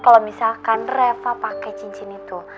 kalau misalkan reva pakai cincin itu